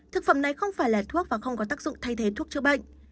thực phẩm này không phải là thuốc và không có tác dụng thay thế thuốc chữa bệnh